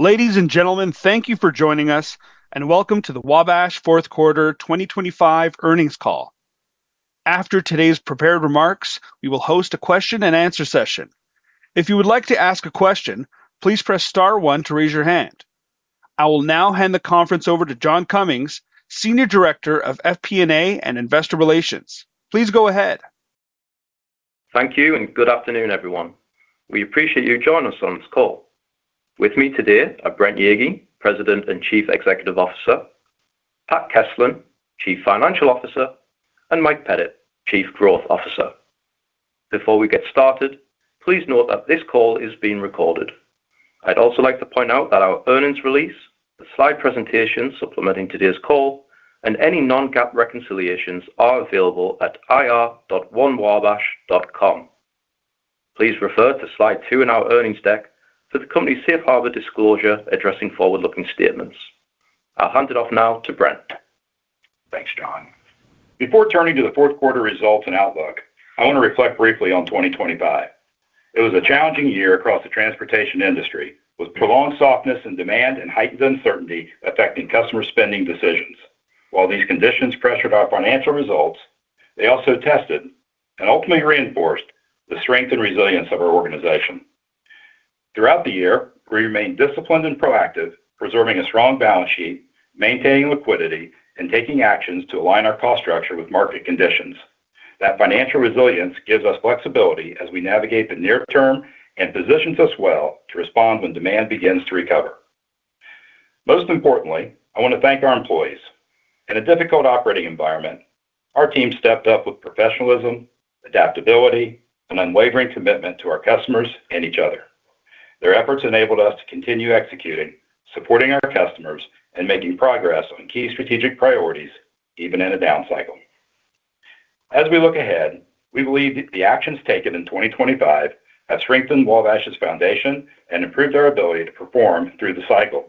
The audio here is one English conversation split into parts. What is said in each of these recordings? Ladies and gentlemen, thank you for joining us, and welcome to the Wabash Fourth Quarter 2025 Earnings Call. After today's prepared remarks, we will host a question-and-answer session. If you would like to ask a question, please press star one to raise your hand. I will now hand the conference over to John Cummings, Senior Director of FP&A and Investor Relations. Please go ahead. Thank you, and good afternoon, everyone. We appreciate you joining us on this call. With me today are Brent Yeagy, President and Chief Executive Officer, Pat Keslin, Chief Financial Officer, and Mike Pettit, Chief Growth Officer. Before we get started, please note that this call is being recorded. I'd also like to point out that our earnings release, the slide presentation supplementing today's call, and any non-GAAP reconciliations are available at ir.onewabash.com. Please refer to slide two in our earnings deck for the company's Safe Harbor disclosure addressing forward-looking statements. I'll hand it off now to Brent. Thanks, John. Before turning to the fourth quarter results and outlook, I want to reflect briefly on 2025. It was a challenging year across the transportation industry, with prolonged softness in demand and heightened uncertainty affecting customer spending decisions. While these conditions pressured our financial results, they also tested and ultimately reinforced the strength and resilience of our organization. Throughout the year, we remained disciplined and proactive, preserving a strong balance sheet, maintaining liquidity, and taking actions to align our cost structure with market conditions. That financial resilience gives us flexibility as we navigate the near term and positions us well to respond when demand begins to recover. Most importantly, I want to thank our employees. In a difficult operating environment, our team stepped up with professionalism, adaptability, and unwavering commitment to our customers and each other. Their efforts enabled us to continue executing, supporting our customers, and making progress on key strategic priorities, even in a down cycle. As we look ahead, we believe the actions taken in 2025 have strengthened Wabash's foundation and improved our ability to perform through the cycle.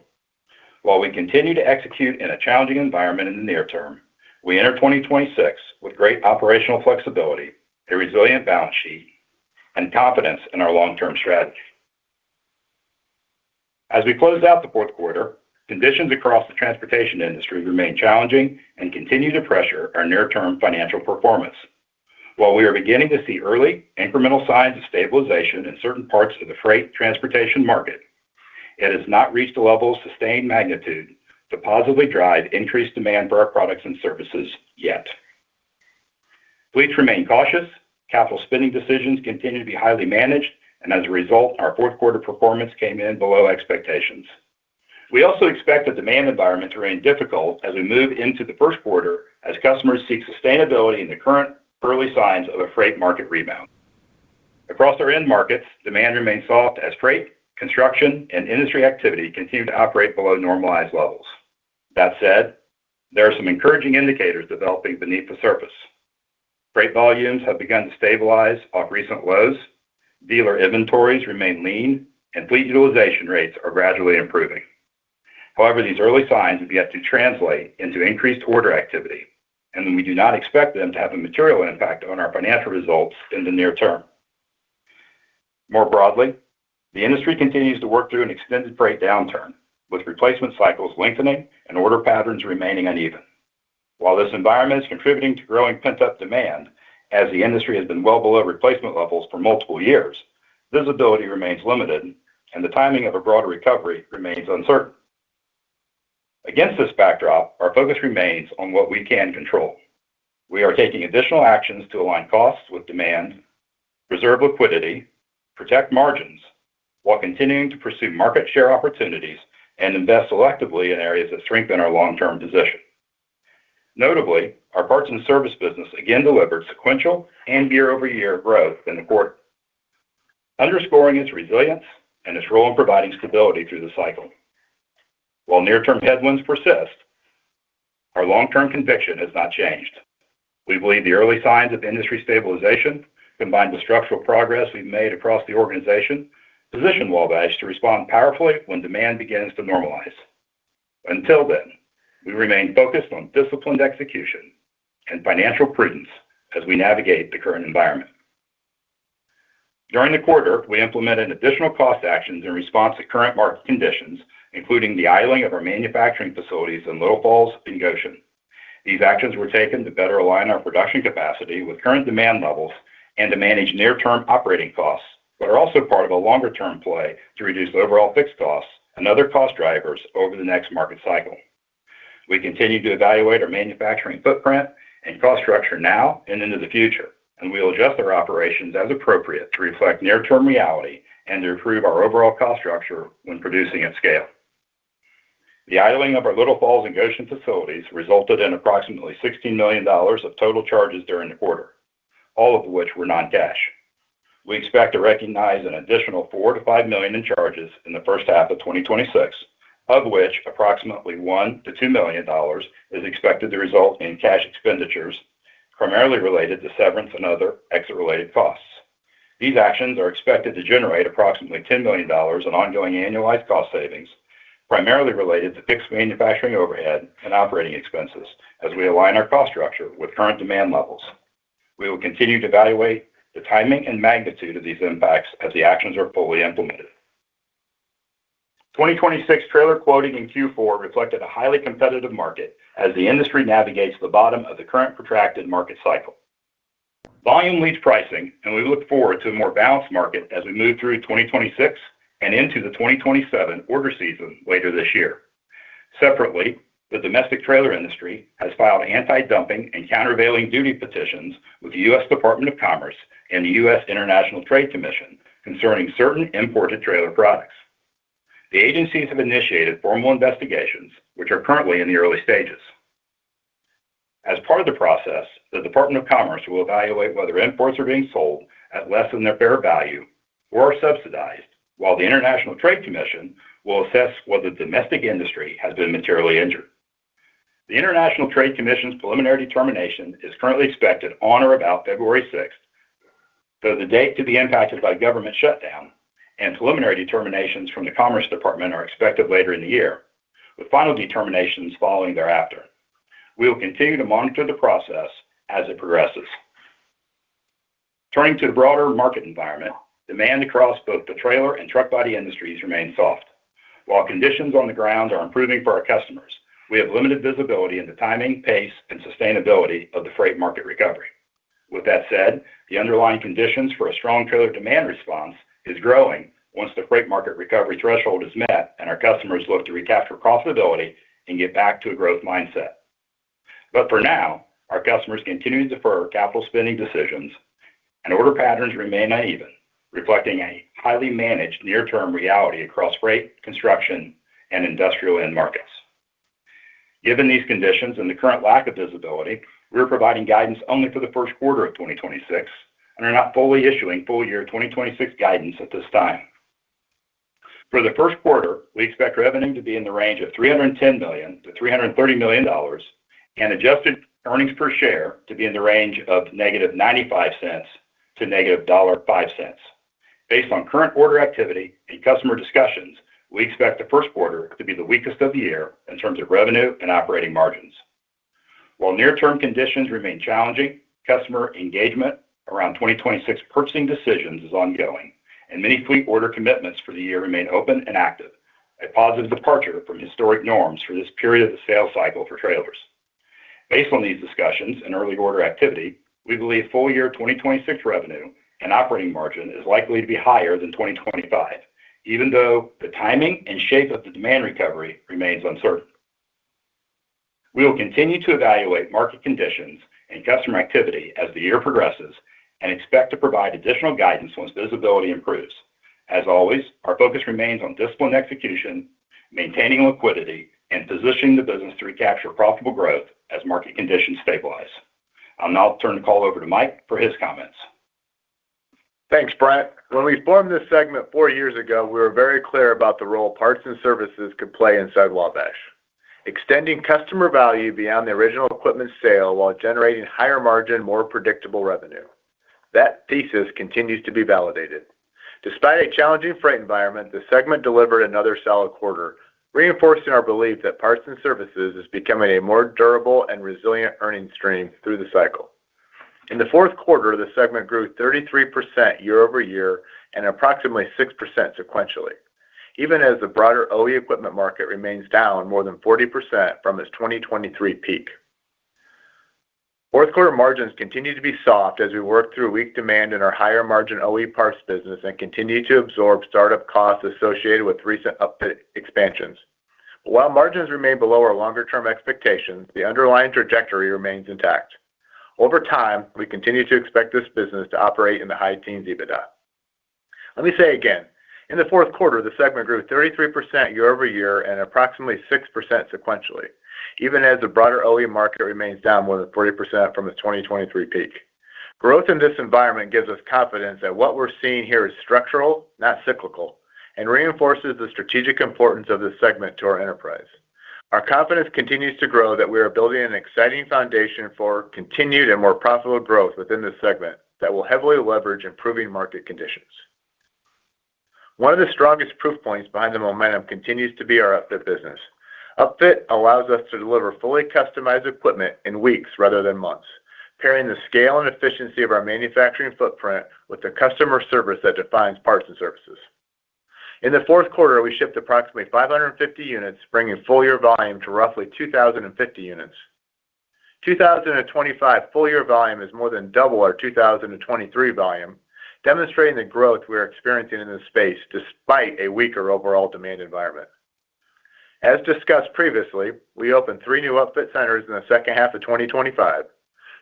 While we continue to execute in a challenging environment in the near term, we enter 2026 with great operational flexibility, a resilient balance sheet, and confidence in our long-term strategy. As we close out the fourth quarter, conditions across the transportation industry remain challenging and continue to pressure our near-term financial performance. While we are beginning to see early incremental signs of stabilization in certain parts of the freight transportation market, it has not reached a level of sustained magnitude to positively drive increased demand for our products and services yet. Fleets remain cautious, capital spending decisions continue to be highly managed, and as a result, our fourth quarter performance came in below expectations. We also expect the demand environment to remain difficult as we move into the first quarter, as customers seek sustainability in the current early signs of a freight market rebound. Across our end markets, demand remains soft as freight, construction, and industry activity continue to operate below normalized levels. That said, there are some encouraging indicators developing beneath the surface. Freight volumes have begun to stabilize off recent lows, dealer inventories remain lean, and fleet utilization rates are gradually improving. However, these early signs have yet to translate into increased order activity, and we do not expect them to have a material impact on our financial results in the near term. More broadly, the industry continues to work through an extended freight downturn, with replacement cycles lengthening and order patterns remaining uneven. While this environment is contributing to growing pent-up demand, as the industry has been well below replacement levels for multiple years, visibility remains limited and the timing of a broader recovery remains uncertain. Against this backdrop, our focus remains on what we can control. We are taking additional actions to align costs with demand, preserve liquidity, protect margins while continuing to pursue market share opportunities and invest selectively in areas that strengthen our long-term position. Notably, our parts and service business again delivered sequential and year-over-year growth in the quarter, underscoring its resilience and its role in providing stability through the cycle. While near-term headwinds persist, our long-term conviction has not changed. We believe the early signs of industry stabilization, combined with structural progress we've made across the organization, position Wabash to respond powerfully when demand begins to normalize. Until then, we remain focused on disciplined execution and financial prudence as we navigate the current environment. During the quarter, we implemented additional cost actions in response to current market conditions, including the idling of our manufacturing facilities in Little Falls and Goshen. These actions were taken to better align our production capacity with current demand levels and to manage near-term operating costs, but are also part of a longer-term play to reduce overall fixed costs and other cost drivers over the next market cycle. We continue to evaluate our manufacturing footprint and cost structure now and into the future, and we will adjust our operations as appropriate to reflect near-term reality and to improve our overall cost structure when producing at scale. The idling of our Little Falls and Goshen facilities resulted in approximately $16 million of total charges during the quarter, all of which were non-cash. We expect to recognize an additional $4 million-$5 million in charges in the first half of 2026, of which approximately $1 million-$2 million is expected to result in cash expenditures, primarily related to severance and other exit-related costs. These actions are expected to generate approximately $10 million in ongoing annualized cost savings, primarily related to fixed manufacturing overhead and operating expenses as we align our cost structure with current demand levels. We will continue to evaluate the timing and magnitude of these impacts as the actions are fully implemented. 2026 trailer quoting in Q4 reflected a highly competitive market as the industry navigates the bottom of the current protracted market cycle. Volume leads pricing, and we look forward to a more balanced market as we move through 2026 and into the 2027 order season later this year. Separately, the domestic trailer industry has filed antidumping and countervailing duty petitions with the U.S. Department of Commerce and the U.S. International Trade Commission concerning certain imported trailer products. The agencies have initiated formal investigations, which are currently in the early stages. As part of the process, the Department of Commerce will evaluate whether imports are being sold at less than their fair value or subsidized, while the International Trade Commission will assess whether the domestic industry has been materially injured. The International Trade Commission's preliminary determination is currently expected on or about February 6th, though the date could be impacted by government shutdown, and preliminary determinations from the Commerce Department are expected later in the year, with final determinations following thereafter. We will continue to monitor the process as it progresses. Turning to the broader market environment, demand across both the trailer and truck body industries remains soft. While conditions on the ground are improving for our customers, we have limited visibility into the timing, pace, and sustainability of the freight market recovery. With that said, the underlying conditions for a strong trailer demand response is growing once the freight market recovery threshold is met and our customers look to recapture profitability and get back to a growth mindset. But for now, our customers continue to defer capital spending decisions, and order patterns remain uneven, reflecting a highly managed near-term reality across freight, construction, and industrial end markets. Given these conditions and the current lack of visibility, we are providing guidance only for the first quarter of 2026 and are not fully issuing full-year 2026 guidance at this time. For the first quarter, we expect revenue to be in the range of $310 million-$330 million, and adjusted earnings per share to be in the range of -$0.95 to -$0.05. Based on current order activity and customer discussions, we expect the first quarter to be the weakest of the year in terms of revenue and operating margins. While near-term conditions remain challenging, customer engagement around 2026 purchasing decisions is ongoing, and many fleet order commitments for the year remain open and active, a positive departure from historic norms for this period of the sales cycle for trailers. Based on these discussions and early order activity, we believe full-year 2026 revenue and operating margin is likely to be higher than 2025, even though the timing and shape of the demand recovery remains uncertain. We will continue to evaluate market conditions and customer activity as the year progresses and expect to provide additional guidance once visibility improves. As always, our focus remains on disciplined execution, maintaining liquidity, and positioning the business to recapture profitable growth as market conditions stabilize. I'll now turn the call over to Mike for his comments. Thanks, Brent. When we formed this segment four years ago, we were very clear about the role Parts and Services could play inside Wabash. Extending customer value beyond the original equipment sale while generating higher margin, more predictable revenue. That thesis continues to be validated. Despite a challenging freight environment, the segment delivered another solid quarter, reinforcing our belief that Parts and Services is becoming a more durable and resilient earnings stream through the cycle. In the fourth quarter, the segment grew 33% year-over-year and approximately 6% sequentially, even as the broader OE equipment market remains down more than 40% from its 2023 peak. Fourth quarter margins continue to be soft as we work through weak demand in our higher-margin OE parts business and continue to absorb startup costs associated with recent upfit expansions. While margins remain below our longer-term expectations, the underlying trajectory remains intact. Over time, we continue to expect this business to operate in the high teens EBITDA. Let me say again, in the fourth quarter, the segment grew 33% year-over-year and approximately 6% sequentially, even as the broader OE market remains down more than 40% from the 2023 peak. Growth in this environment gives us confidence that what we're seeing here is structural, not cyclical, and reinforces the strategic importance of this segment to our enterprise. Our confidence continues to grow that we are building an exciting foundation for continued and more profitable growth within this segment that will heavily leverage improving market conditions. One of the strongest proof points behind the momentum continues to be our upfit business. Upfit allows us to deliver fully customized equipment in weeks rather than months, pairing the scale and efficiency of our manufacturing footprint with the customer service that defines Parts and Services. In the fourth quarter, we shipped approximately 550 units, bringing full-year volume to roughly 2,050 units. 2025 full-year volume is more than double our 2023 volume, demonstrating the growth we are experiencing in this space despite a weaker overall demand environment. As discussed previously, we opened three new upfit centers in the second half of 2025: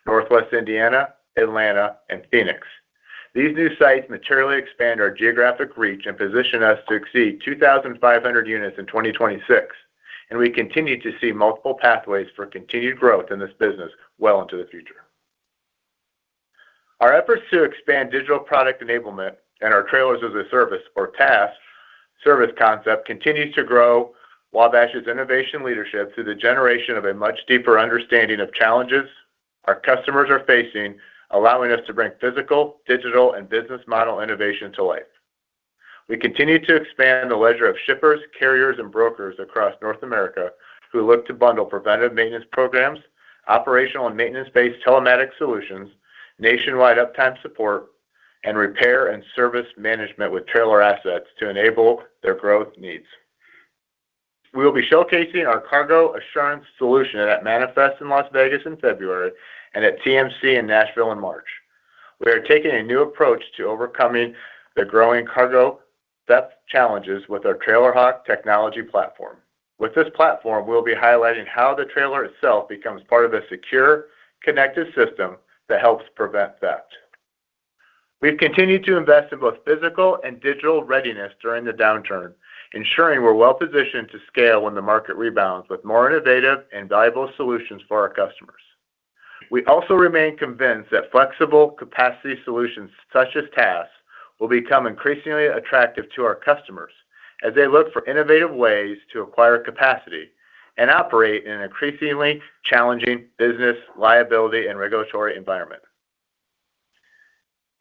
Northwest Indiana, Atlanta, and Phoenix. These new sites materially expand our geographic reach and position us to exceed 2,500 units in 2026, and we continue to see multiple pathways for continued growth in this business well into the future. Our efforts to expand digital product enablement and our Trailers as a Service, or TaaS, service concept continues to grow Wabash's innovation leadership through the generation of a much deeper understanding of challenges our customers are facing, allowing us to bring physical, digital, and business model innovation to life. We continue to expand the ledger of shippers, carriers, and brokers across North America who look to bundle preventive maintenance programs, operational and maintenance-based telematics solutions, nationwide uptime support, and repair and service management with trailer assets to enable their growth needs. We will be showcasing our Cargo Assurance solution at Manifest in Las Vegas in February and at TMC in Nashville in March. We are taking a new approach to overcoming the growing cargo theft challenges with our TrailerHawk technology platform. With this platform, we'll be highlighting how the trailer itself becomes part of a secure, connected system that helps prevent theft. We've continued to invest in both physical and digital readiness during the downturn, ensuring we're well-positioned to scale when the market rebounds with more innovative and valuable solutions for our customers. We also remain convinced that flexible capacity solutions, such as TaaS, will become increasingly attractive to our customers as they look for innovative ways to acquire capacity and operate in an increasingly challenging business liability and regulatory environment.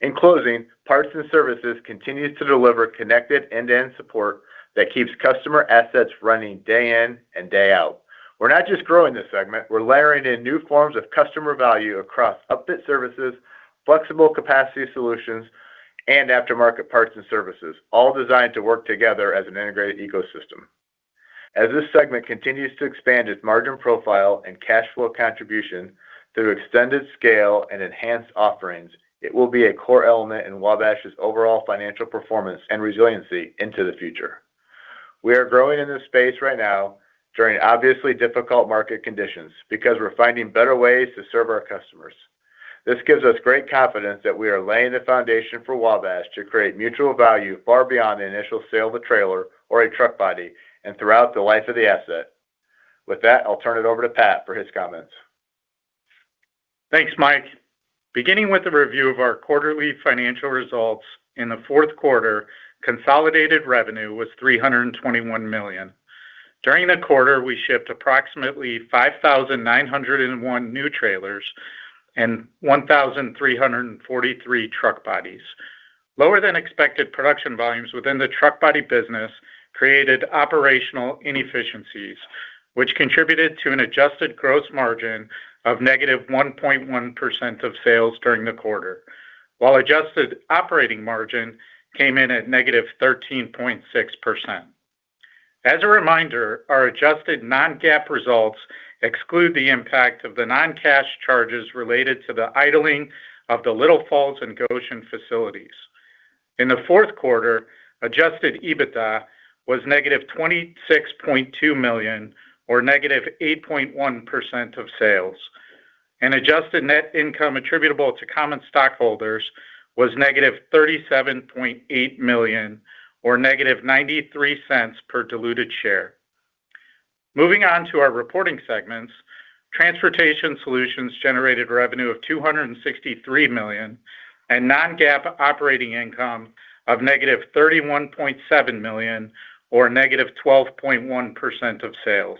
In closing, Parts and Services continues to deliver connected end-to-end support that keeps customer assets running day in and day out. We're not just growing this segment, we're layering in new forms of customer value across upfit services, flexible capacity solutions, and aftermarket Parts and Services, all designed to work together as an integrated ecosystem. As this segment continues to expand its margin profile and cash flow contribution through extended scale and enhanced offerings, it will be a core element in Wabash's overall financial performance and resiliency into the future. We are growing in this space right now during obviously difficult market conditions because we're finding better ways to serve our customers. This gives us great confidence that we are laying the foundation for Wabash to create mutual value far beyond the initial sale of a trailer or a truck body, and throughout the life of the asset. With that, I'll turn it over to Pat for his comments. Thanks, Mike. Beginning with a review of our quarterly financial results, in the fourth quarter, consolidated revenue was $321 million. During the quarter, we shipped approximately 5,901 new trailers and 1,343 truck bodies. Lower than expected production volumes within the truck body business created operational inefficiencies, which contributed to an adjusted gross margin of -1.1% of sales during the quarter, while adjusted operating margin came in at -13.6%. As a reminder, our adjusted non-GAAP results exclude the impact of the non-cash charges related to the idling of the Little Falls and Goshen facilities. In the fourth quarter, adjusted EBITDA was -$26.2 million, or -8.1% of sales, and adjusted net income attributable to common stockholders was -$37.8 million, or -$0.93 per diluted share. Moving on to our reporting segments, Transportation Solutions generated revenue of $263 million, and non-GAAP operating income of -$31.7 million, or -12.1% of sales.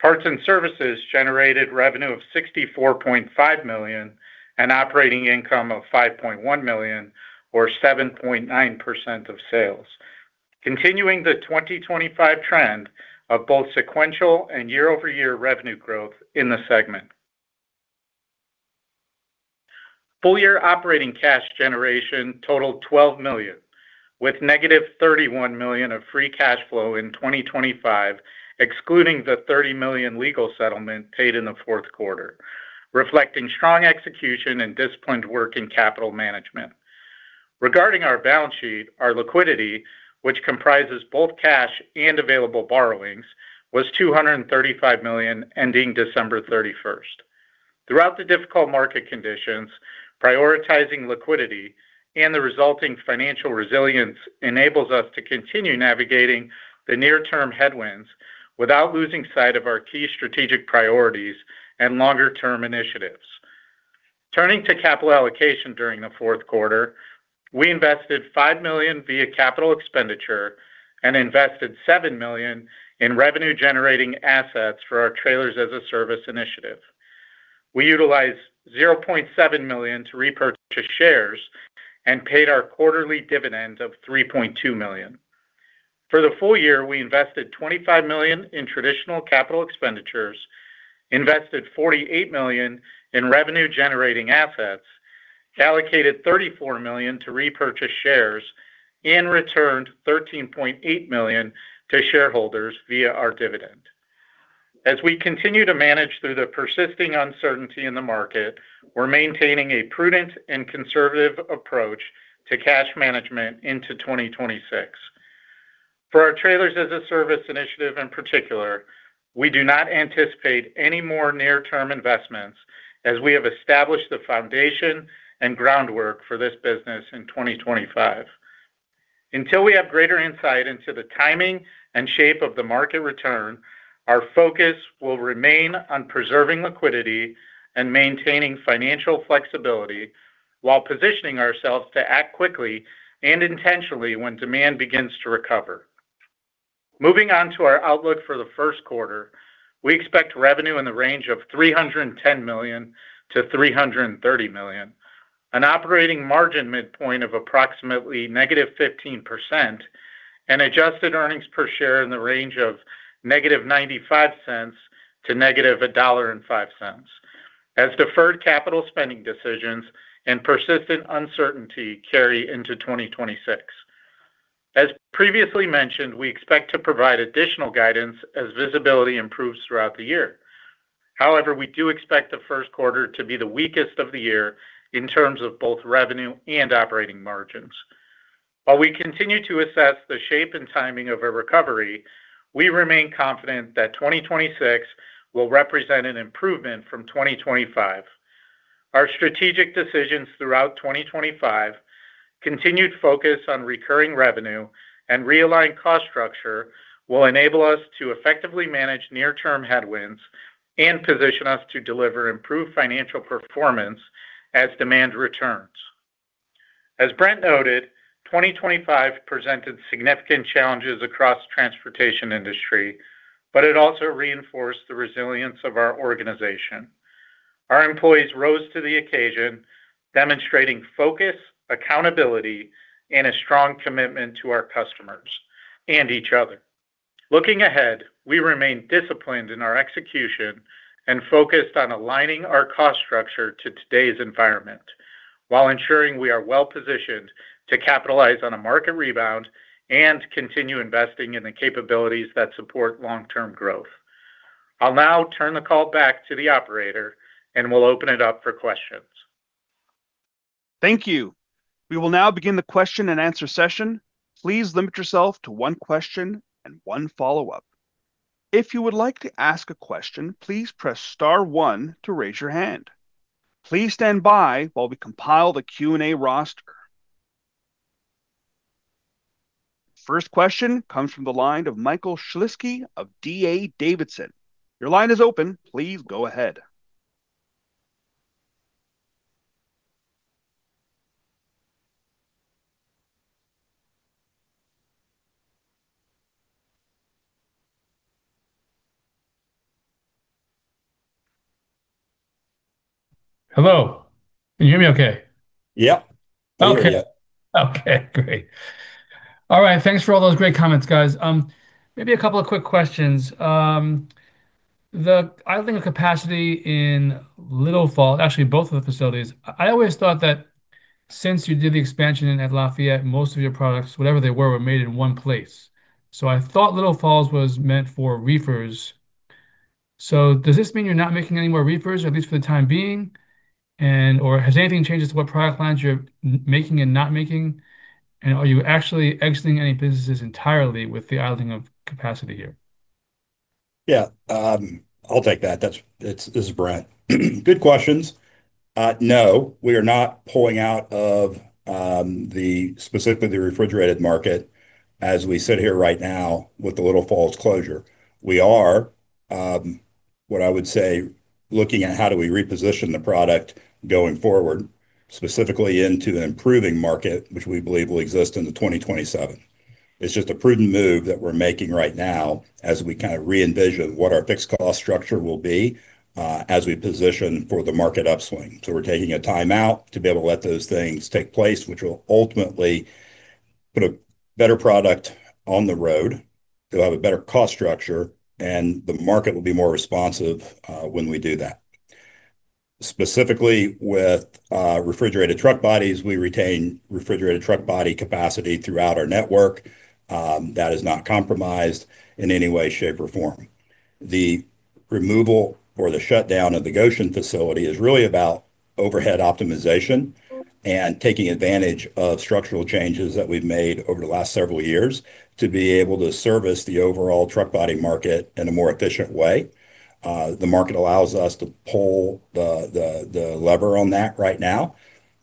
Parts and Services generated revenue of $64.5 million and operating income of $5.1 million, or 7.9% of sales, continuing the 2025 trend of both sequential and year-over-year revenue growth in the segment. Full-year operating cash generation totaled $12 million, with -$31 million of free cash flow in 2025, excluding the $30 million legal settlement paid in the fourth quarter, reflecting strong execution and disciplined work in capital management. Regarding our balance sheet, our liquidity, which comprises both cash and available borrowings, was $235 million, ending December 31st. Throughout the difficult market conditions, prioritizing liquidity and the resulting financial resilience enables us to continue navigating the near-term headwinds without losing sight of our key strategic priorities and longer-term initiatives. Turning to capital allocation during the fourth quarter, we invested $5 million via capital expenditure and invested $7 million in revenue-generating assets for our Trailers as a Service initiative. We utilized $0.7 million to repurchase shares and paid our quarterly dividend of $3.2 million. For the full year, we invested $25 million in traditional capital expenditures, invested $48 million in revenue-generating assets, allocated $34 million to repurchase shares, and returned $13.8 million to shareholders via our dividend. As we continue to manage through the persisting uncertainty in the market, we're maintaining a prudent and conservative approach to cash management into 2026. For our Trailers as a Service initiative, in particular, we do not anticipate any more near-term investments as we have established the foundation and groundwork for this business in 2025. Until we have greater insight into the timing and shape of the market return, our focus will remain on preserving liquidity and maintaining financial flexibility while positioning ourselves to act quickly and intentionally when demand begins to recover. Moving on to our outlook for the first quarter, we expect revenue in the range of $310 million-$330 million, an operating margin midpoint of approximately -15%, and adjusted earnings per share in the range of -$0.95 to -$1.05, as deferred capital spending decisions and persistent uncertainty carry into 2026. As previously mentioned, we expect to provide additional guidance as visibility improves throughout the year. However, we do expect the first quarter to be the weakest of the year in terms of both revenue and operating margins. While we continue to assess the shape and timing of a recovery, we remain confident that 2026 will represent an improvement from 2025. Our strategic decisions throughout 2025, continued focus on recurring revenue, and realigned cost structure will enable us to effectively manage near-term headwinds and position us to deliver improved financial performance as demand returns. As Brent noted, 2025 presented significant challenges across transportation industry, but it also reinforced the resilience of our organization. Our employees rose to the occasion, demonstrating focus, accountability, and a strong commitment to our customers and each other. Looking ahead, we remain disciplined in our execution and focused on aligning our cost structure to today's environment, while ensuring we are well-positioned to capitalize on a market rebound and continue investing in the capabilities that support long-term growth. I'll now turn the call back to the operator, and we'll open it up for questions. Thank you. We will now begin the question-and-answer session. Please limit yourself to one question and one follow-up. If you would like to ask a question, please press star one to raise your hand. Please stand by while we compile the Q&A roster. First question comes from the line of Michael Shlisky of D.A. Davidson. Your line is open, please go ahead. Hello, can you hear me okay? Yep. Okay. We hear you. Okay, great. All right, thanks for all those great comments, guys. Maybe a couple of quick questions. The idling of capacity in Little Falls, actually, both of the facilities, I always thought that since you did the expansion in at Lafayette, most of your products, whatever they were, were made in one place. So I thought Little Falls was meant for reefers. So does this mean you're not making any more reefers, at least for the time being, and or has anything changed as to what product lines you're making and not making? And are you actually exiting any businesses entirely with the idling of capacity here? Yeah, I'll take that. That's it, this is Brent. Good questions. No, we are not pulling out of specifically the refrigerated market as we sit here right now with the Little Falls closure. We are what I would say looking at how do we reposition the product going forward, specifically into an improving market, which we believe will exist into 2027. It's just a prudent move that we're making right now as we kind of re-envision what our fixed cost structure will be as we position for the market upswing. So we're taking a timeout to be able to let those things take place, which will ultimately put a better product on the road. It'll have a better cost structure, and the market will be more responsive when we do that. Specifically, with refrigerated truck bodies, we retain refrigerated truck body capacity throughout our network. That is not compromised in any way, shape, or form. The removal or the shutdown of the Goshen facility is really about overhead optimization and taking advantage of structural changes that we've made over the last several years to be able to service the overall truck body market in a more efficient way. The market allows us to pull the lever on that right now.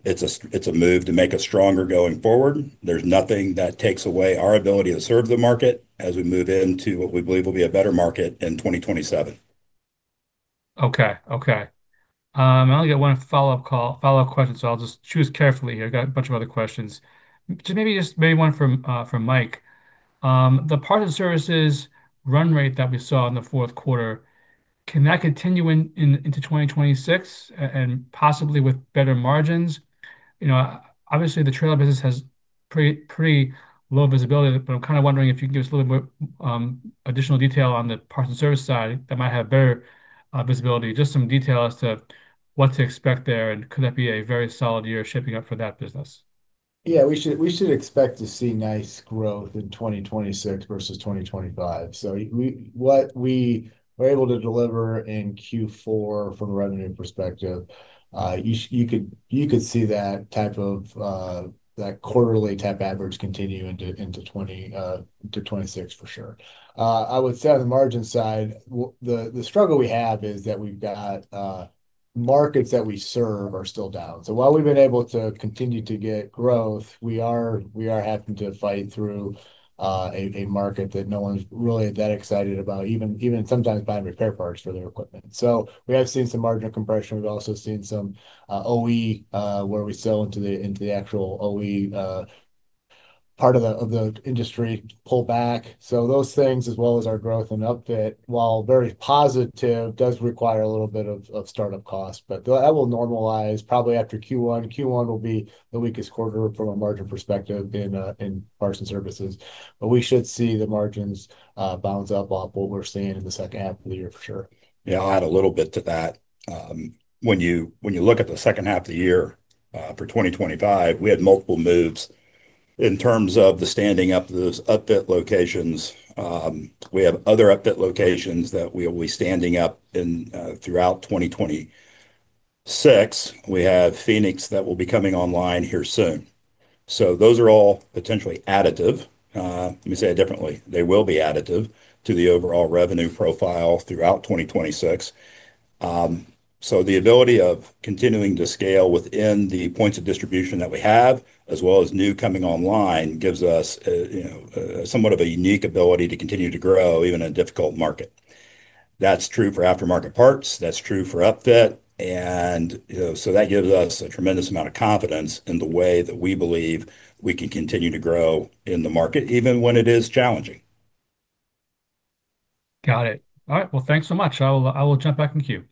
It's a move to make us stronger going forward. There's nothing that takes away our ability to serve the market as we move into what we believe will be a better market in 2027. Okay. Okay. I only get one follow-up call, follow-up question, so I'll just choose carefully here. I've got a bunch of other questions. Just maybe just maybe one from, from Mike. The Parts and Services run rate that we saw in the fourth quarter, can that continue into 2026 and possibly with better margins? You know, obviously, the trailer business has pretty low visibility, but I'm kind of wondering if you can give us a little more additional detail on the parts and service side that might have better visibility. Just some detail as to what to expect there, and could that be a very solid year shaping up for that business? Yeah, we should, we should expect to see nice growth in 2026 versus 2025. So what we were able to deliver in Q4 from a revenue perspective, you could, you could see that type of, that quarterly type average continue into 2026, for sure. I would say on the margin side, the struggle we have is that we've got markets that we serve are still down. So while we've been able to continue to get growth, we are, we are having to fight through a market that no one's really that excited about, even, even sometimes buying repair parts for their equipment. So we have seen some margin compression. We've also seen some OE, where we sell into the actual OE-- part of the industry pull back. So those things, as well as our growth in upfit, while very positive, does require a little bit of startup costs. But that will normalize probably after Q1. Q1 will be the weakest quarter from a margin perspective in Parts and Services, but we should see the margins bounce up off what we're seeing in the second half of the year, for sure. Yeah, I'll add a little bit to that. When you, when you look at the second half of the year, for 2025, we had multiple moves. In terms of the standing up those upfit locations, we have other upfit locations that we'll be standing up in, throughout 2026. We have Phoenix that will be coming online here soon. So those are all potentially additive. Let me say that differently. They will be additive to the overall revenue profile throughout 2026. So the ability of continuing to scale within the points of distribution that we have, as well as new coming online, gives us, you know, somewhat of a unique ability to continue to grow, even in a difficult market. That's true for aftermarket parts, that's true for upfit, and, you know, so that gives us a tremendous amount of confidence in the way that we believe we can continue to grow in the market, even when it is challenging. Got it. All right, well, thanks so much. I will, I will jump back in the queue.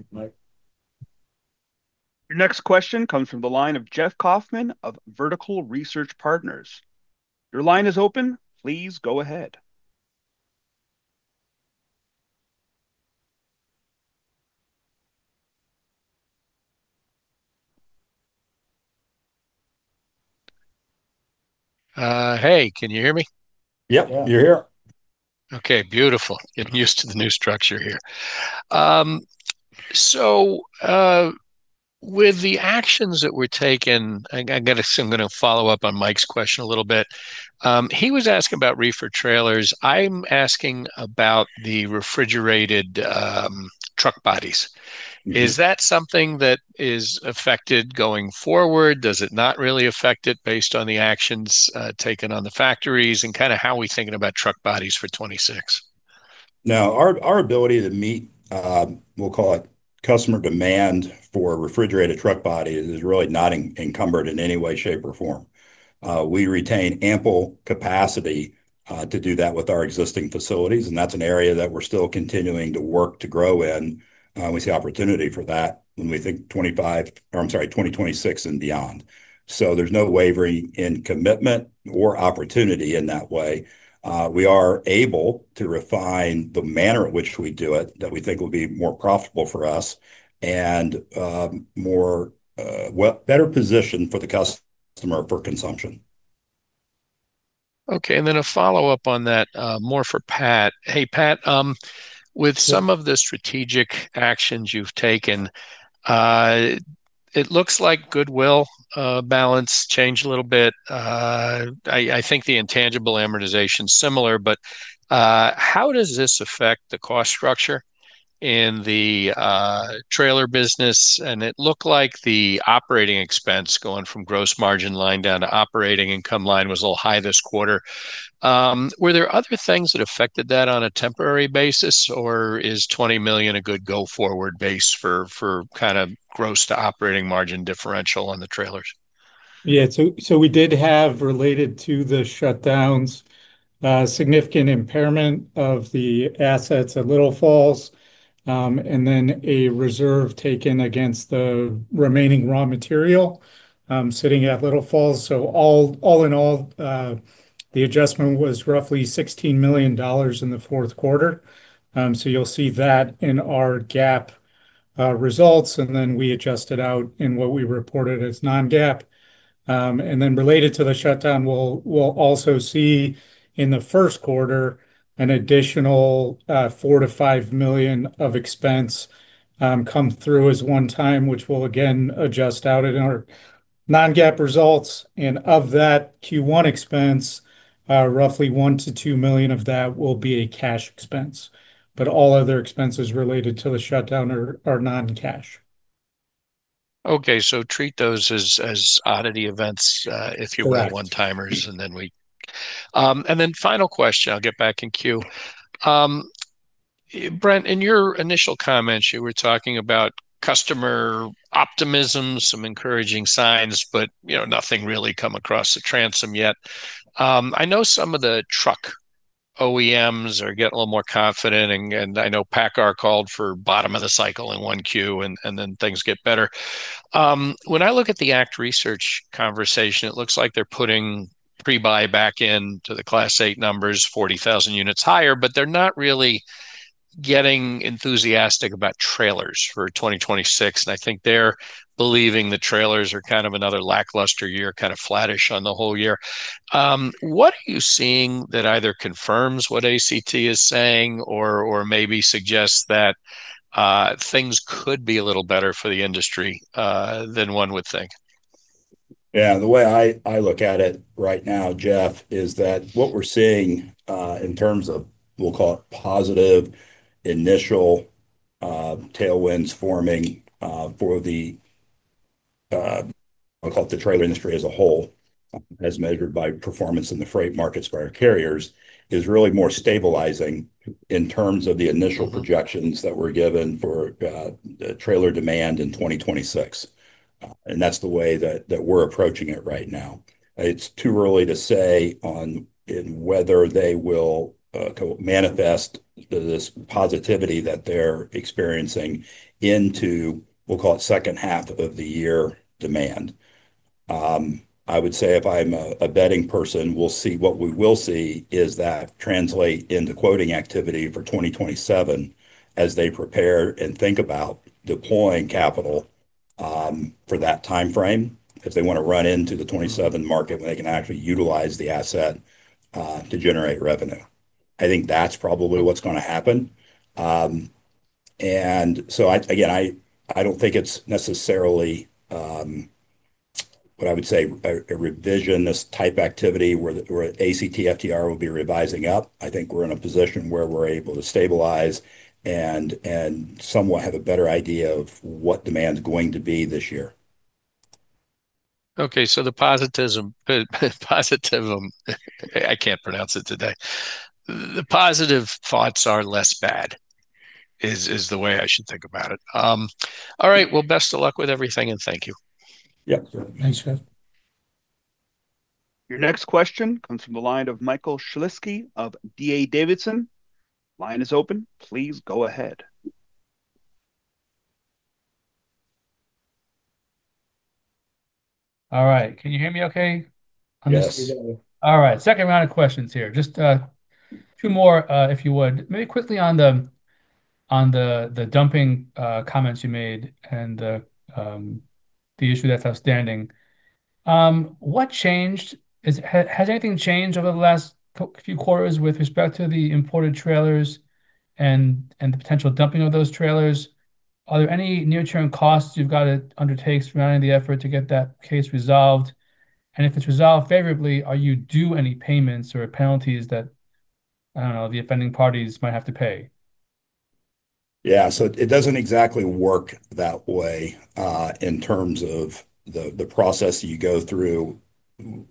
Thanks, Mike. Your next question comes from the line of Jeff Kauffman of Vertical Research Partners. Your line is open, please go ahead. Hey, can you hear me? Yep, you're here. Okay, beautiful. Getting used to the new structure here. So, with the actions that were taken, I guess I'm gonna follow up on Mike's question a little bit. He was asking about reefer trailers. I'm asking about the refrigerated truck bodies. Mm-hmm. Is that something that is affected going forward? Does it not really affect it based on the actions taken on the factories? And kind of how are we thinking about truck bodies for 2026? No, our, our ability to meet, we'll call it customer demand for refrigerated truck bodies is really not encumbered in any way, shape, or form. We retain ample capacity to do that with our existing facilities, and that's an area that we're still continuing to work to grow in. We see opportunity for that when we think 2025, or I'm sorry, 2026 and beyond. So there's no wavering in commitment or opportunity in that way. We are able to refine the manner in which we do it that we think will be more profitable for us and, more, well, better positioned for the customer for consumption. Okay, and then a follow-up on that, more for Pat. Hey, Pat, with some of the strategic actions you've taken, it looks like goodwill balance changed a little bit. I think the intangible amortization's similar, but how does this affect the cost structure in the trailer business? And it looked like the operating expense going from gross margin line down to operating income line was a little high this quarter. Were there other things that affected that on a temporary basis, or is $20 million a good go-forward base for kind of gross to operating margin differential on the trailers? Yeah. So, so we did have, related to the shutdowns, significant impairment of the assets at Little Falls, and then a reserve taken against the remaining raw material, sitting at Little Falls. So all, all in all, the adjustment was roughly $16 million in the fourth quarter. So you'll see that in our GAAP results, and then we adjusted out in what we reported as non-GAAP. And then related to the shutdown, we'll, we'll also see, in the first quarter, an additional, $4 million-$5 million of expense, come through as one time, which we'll again adjust out in our non-GAAP results. And of that Q1 expense, roughly $1 million-$2 million of that will be a cash expense, but all other expenses related to the shutdown are, are non-cash. Okay, so treat those as oddity events. Correct If you will, one-timers, and then we... and then final question, I'll get back in queue. Brent, in your initial comments, you were talking about customer optimism, some encouraging signs, but, you know, nothing really come across the transom yet. I know some of the truck OEMs are getting a little more confident, and I know PACCAR called for bottom of the cycle in 1Q, and then things get better. When I look at the ACT Research conversation, it looks like they're putting pre-buy back in to the Class 8 numbers, 40,000 units higher, but they're not really getting enthusiastic about trailers for 2026. And I think they're believing the trailers are kind of another lackluster year, kind of flattish on the whole year. What are you seeing that either confirms what ACT is saying or maybe suggests that things could be a little better for the industry than one would think? Yeah, the way I look at it right now, Jeff, is that what we're seeing, in terms of, we'll call it, positive initial tailwinds forming for the, I'll call it the trailer industry as a whole, as measured by performance in the freight markets by our carriers, is really more stabilizing in terms of the initial projections that were given for the trailer demand in 2026. That's the way that we're approaching it right now. It's too early to say whether they will co-manifest this positivity that they're experiencing into, we'll call it, second half of the year demand. I would say if I'm a betting person, we'll see what we will see is that translate into quoting activity for 2027 as they prepare and think about deploying capital for that timeframe, if they want to run into the 2027 market when they can actually utilize the asset to generate revenue. I think that's probably what's gonna happen. And so I, again, I, I don't think it's necessarily what I would say, a revisionist type activity where the, where ACT forecast will be revising up. I think we're in a position where we're able to stabilize and somewhat have a better idea of what demand's going to be this year. Okay, so the positivism, I can't pronounce it today. The positive thoughts are less bad, is the way I should think about it. All right, well, best of luck with everything, and thank you. Yep. Thanks, Jeff. Your next question comes from the line of Michael Shlisky of D.A. Davidson. Line is open. Please go ahead. All right. Can you hear me okay? Yes. All right, second round of questions here. Just two more, if you would. Maybe quickly on the dumping comments you made, and the issue that's outstanding. What changed? Has anything changed over the last few quarters with respect to the imported trailers and the potential dumping of those trailers? Are there any near-term costs you've got to undertake surrounding the effort to get that case resolved? And if it's resolved favorably, are you due any payments or penalties that, I don't know, the offending parties might have to pay? Yeah, so it doesn't exactly work that way, in terms of the process you go through.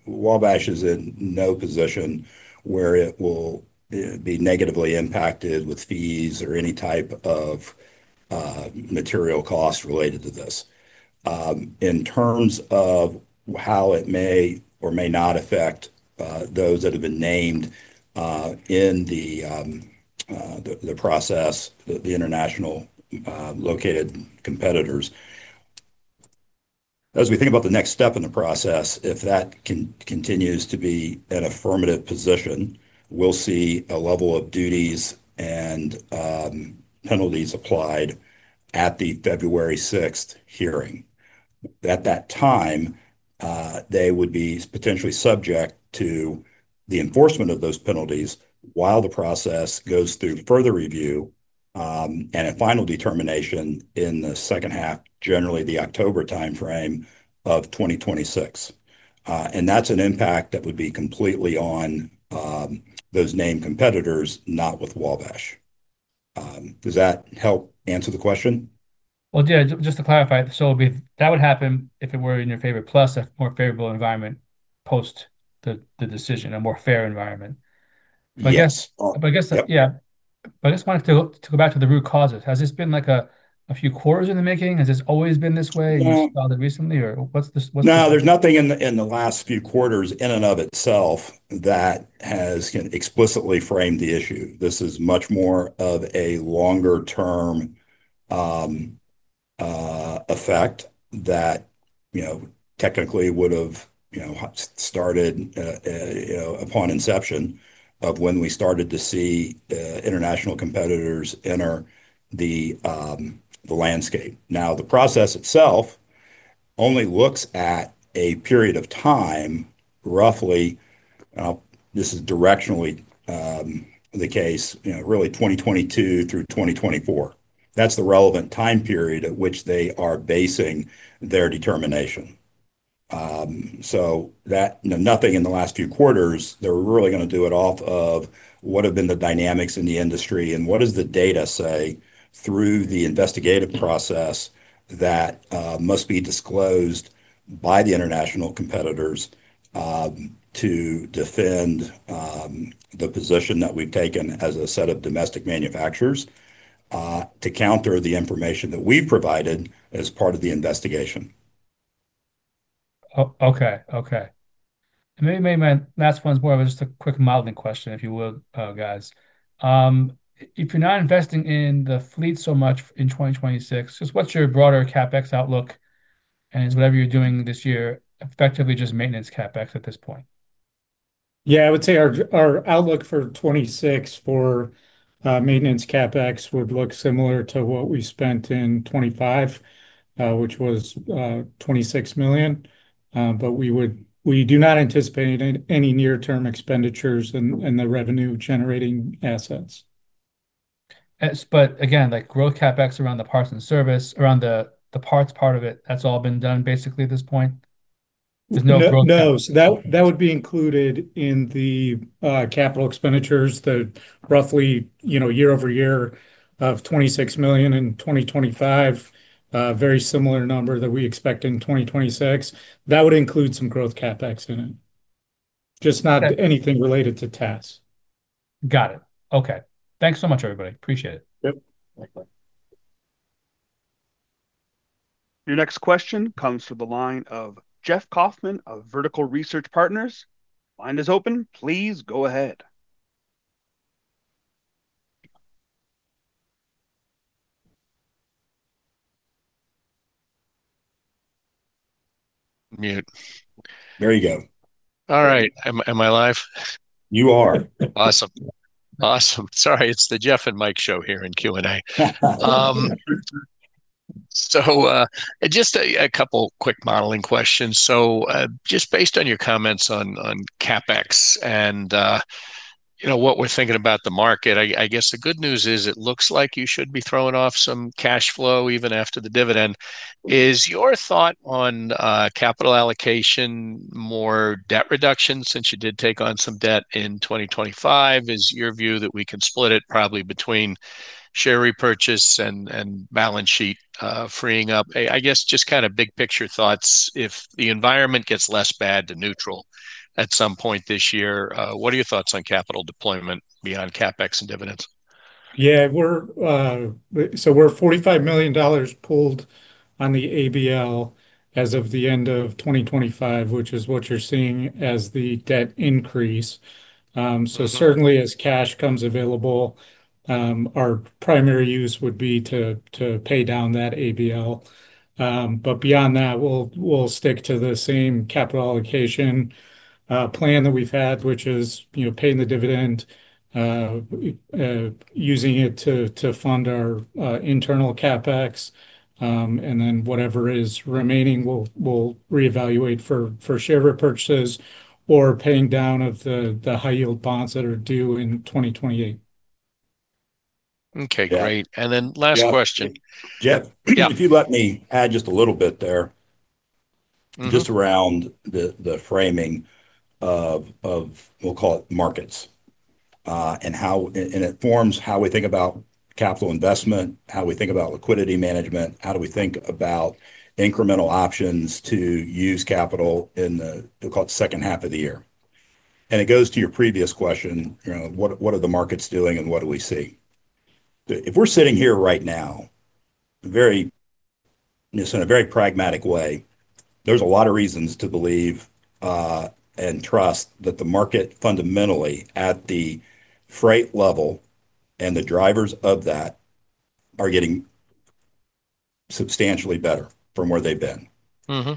Wabash is in no position where it will be negatively impacted with fees or any type of material cost related to this. In terms of how it may or may not affect those that have been named in the process, the international located competitors. As we think about the next step in the process, if that continues to be an affirmative position, we'll see a level of duties and penalties applied at the February 6th hearing. At that time, they would be potentially subject to the enforcement of those penalties while the process goes through further review and a final determination in the second half, generally the October timeframe of 2026. That's an impact that would be completely on those named competitors, not with Wabash. Does that help answer the question? Well, yeah, just to clarify, so if that would happen, if it were in your favor, plus a more favorable environment post the decision, a more fair environment. Yes. But I guess... Yep. Yeah, but I just wanted to go back to the root causes. Has this been, like, a few quarters in the making? Has this always been this way and you saw that recently, or what's this, what's... No, there's nothing in the last few quarters in and of itself that has explicitly framed the issue. This is much more of a longer-term effect that, you know, technically would've, you know, started upon inception of when we started to see international competitors enter the landscape. Now, the process itself only looks at a period of time, roughly, this is directionally the case, you know, really 2022 through 2024. That's the relevant time period at which they are basing their determination. So that, nothing in the last few quarters, they're really gonna do it off of what have been the dynamics in the industry, and what does the data say through the investigative process that must be disclosed by the international competitors to defend the position that we've taken as a set of domestic manufacturers to counter the information that we've provided as part of the investigation. Okay, okay. And maybe, maybe my last one is more of just a quick modeling question, if you will, guys. If you're not investing in the fleet so much in 2026, just what's your broader CapEx outlook, and is whatever you're doing this year effectively just maintenance CapEx at this point? Yeah, I would say our outlook for 2026 for maintenance CapEx would look similar to what we spent in 2025, which was $26 million. But we do not anticipate any near-term expenditures in the revenue-generating assets. But again, like growth CapEx around the parts and service, around the, the parts part of it, that's all been done basically at this point? There's no growth- No, no. That, that would be included in the capital expenditures, the roughly, you know, year-over-year of $26 million in 2025. Very similar number that we expect in 2026. That would include some growth CapEx in it, just not anything related to TaaS. Got it. Okay. Thanks so much, everybody. Appreciate it. Yep. Bye, bye. Your next question comes to the line of Jeff Kauffman of Vertical Research Partners. Line is open, please go ahead. Mute. There you go. All right. Am I live? You are. Awesome. Awesome. Sorry, it's the Jeff and Mike show here in Q&A. So, just a couple quick modeling questions. So, just based on your comments on CapEx and, you know, what we're thinking about the market, I guess the good news is, it looks like you should be throwing off some cash flow even after the dividend. Is your thought on capital allocation, more debt reduction, since you did take on some debt in 2025? Is your view that we can split it probably between share repurchase and balance sheet freeing up? I guess, just kind of big picture thoughts, if the environment gets less bad to neutral at some point this year, what are your thoughts on capital deployment beyond CapEx and dividends? Yeah, we're, so we're $45 million pulled on the ABL as of the end of 2025, which is what you're seeing as the debt increase. So certainly, as cash comes available, our primary use would be to, to pay down that ABL. But beyond that, we'll, we'll stick to the same capital allocation plan that we've had, which is, you know, paying the dividend, using it to, to fund our internal CapEx. And then whatever is remaining, we'll, we'll reevaluate for, for share repurchases or paying down of the, the high-yield bonds that are due in 2028. Okay, great. Yeah. And then last question. Jeff? Yeah. If you let me add just a little bit there. Mm-hmm Just around the framing of we'll call it markets, and how it forms how we think about capital investment, how we think about liquidity management, how do we think about incremental options to use capital in the we'll call it second half of the year. And it goes to your previous question, you know, what are the markets doing and what do we see? If we're sitting here right now, just in a very pragmatic way, there's a lot of reasons to believe and trust that the market, fundamentally, at the freight level and the drivers of that, are getting substantially better from where they've been. Mm-hmm.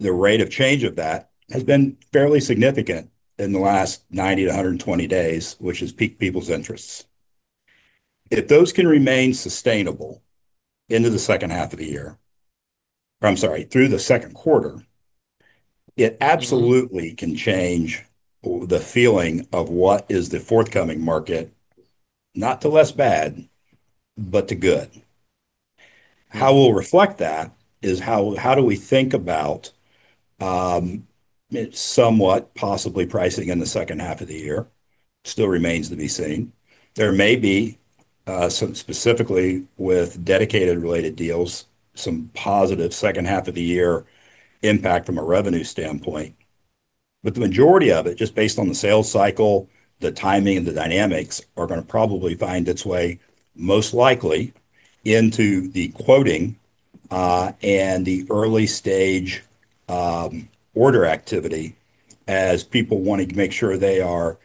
The rate of change of that has been fairly significant in the last 90-120 days, which has piqued people's interests. If those can remain sustainable into the second half of the year, or I'm sorry, through the second quarter, it absolutely can change the feeling of what is the forthcoming market, not to less bad, but to good. How we'll reflect that is, how do we think about, somewhat possibly pricing in the second half of the year? Still remains to be seen. There may be some specifically with dedicated related deals, some positive second half of the year impact from a revenue standpoint, but the majority of it, just based on the sales cycle, the timing and the dynamics, are gonna probably find its way, most likely, into the quoting and the early stage order activity as people want to make sure they are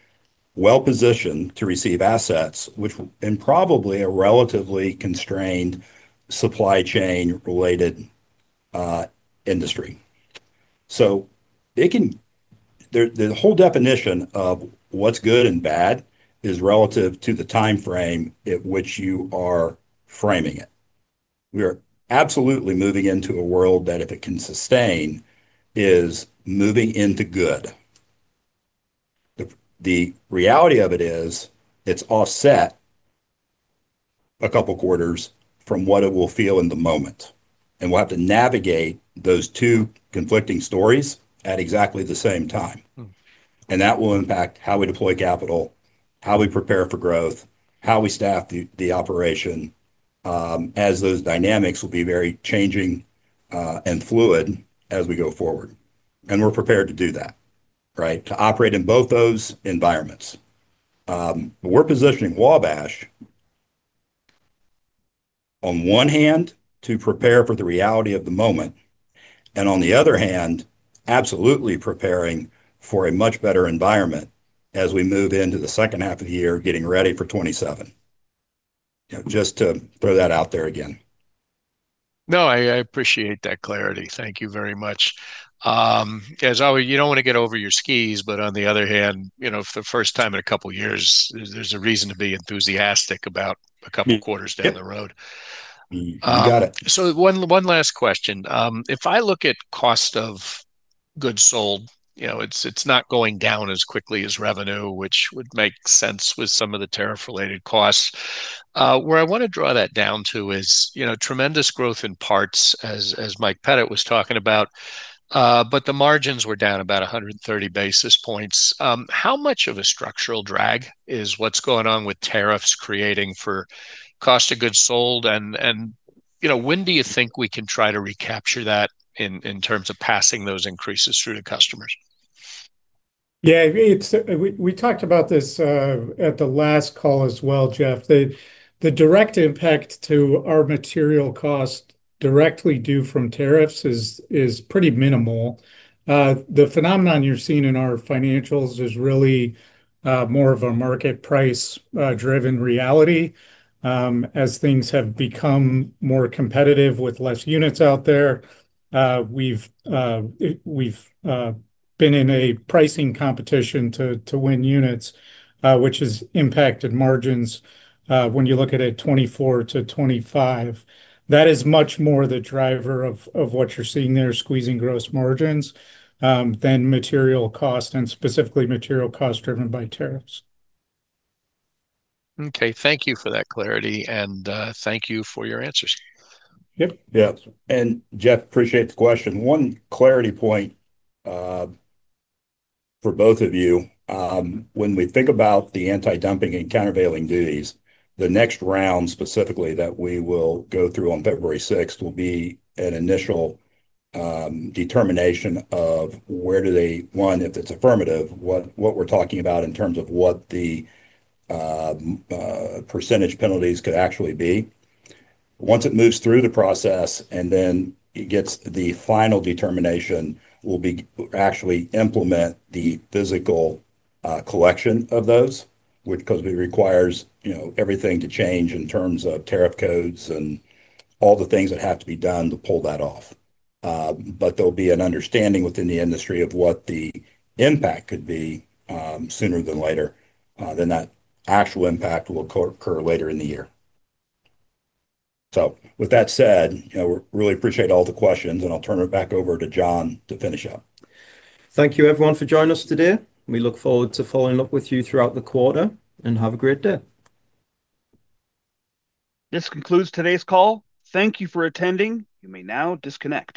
well positioned to receive assets, which, and probably a relatively constrained supply chain-related industry. So they can-- The whole definition of what's good and bad is relative to the timeframe at which you are framing it. We are absolutely moving into a world that, if it can sustain, is moving into good. The reality of it is, it's offset a couple quarters from what it will feel in the moment, and we'll have to navigate those two conflicting stories at exactly the same time. Hmm. That will impact how we deploy capital, how we prepare for growth, how we staff the operation, as those dynamics will be very changing, and fluid as we go forward. We're prepared to do that, right? To operate in both those environments. But we're positioning Wabash, on one hand, to prepare for the reality of the moment, and on the other hand, absolutely preparing for a much better environment as we move into the second half of the year, getting ready for 2027. You know, just to throw that out there again. No, I appreciate that clarity. Thank you very much. As always, you don't want to get over your skis, but on the other hand, you know, for the first time in a couple of years, there's a reason to be enthusiastic about a couple quarters down the road. You got it. So, one last question. If I look at cost of goods sold, you know, it's not going down as quickly as revenue, which would make sense with some of the tariff-related costs. Where I want to draw that down to is, you know, tremendous growth in parts, as Mike Pettit was talking about, but the margins were down about 130 basis points. How much of a structural drag is what's going on with tariffs creating for cost of goods sold? And, you know, when do you think we can try to recapture that in terms of passing those increases through to customers? Yeah, it's, we talked about this at the last call as well, Jeff. The direct impact to our material cost directly due from tariffs is pretty minimal. The phenomenon you're seeing in our financials is really more of a market price driven reality. As things have become more competitive with less units out there, we've been in a pricing competition to win units, which has impacted margins. When you look at it, 2024 to 2025, that is much more the driver of what you're seeing there, squeezing gross margins, than material cost and specifically material cost driven by tariffs. Okay, thank you for that clarity, and thank you for your answers. Yep. Yeah, and Jeff, appreciate the question. One clarity point for both of you. When we think about the anti-dumping and countervailing duties, the next round specifically that we will go through on February 6th, will be an initial determination of where do they, one, if it's affirmative, what we're talking about in terms of what the percentage penalties could actually be. Once it moves through the process and then it gets the final determination, we'll actually implement the physical collection of those, which obviously requires, you know, everything to change in terms of tariff codes and all the things that have to be done to pull that off. But there'll be an understanding within the industry of what the impact could be, sooner than later than that actual impact will occur later in the year. With that said, you know, we really appreciate all the questions, and I'll turn it back over to John to finish up. Thank you, everyone, for joining us today. We look forward to following up with you throughout the quarter, and have a great day. This concludes today's call. Thank you for attending. You may now disconnect.